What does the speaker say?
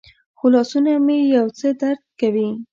خو لاسونه مې یو څه درد کوي.